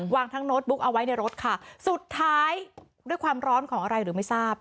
ทั้งโน้ตบุ๊กเอาไว้ในรถค่ะสุดท้ายด้วยความร้อนของอะไรหรือไม่ทราบ